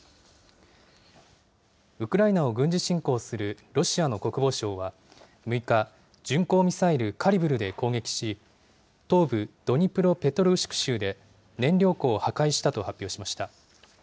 ウクライナを軍事侵攻するロシアの国防省は、６日、巡航ミサイル、カリブルで攻撃し、東部ドニプロペトロウシク州で燃料庫を破壊したと発表しました。